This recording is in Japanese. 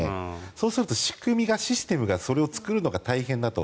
そうすると仕組みを、システムを作るのが大変だと。